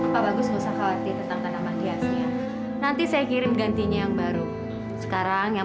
pak bagus nggak usah khawatir tentang tanaman hiasnya nanti saya kirim gantinya yang baru sekarang yang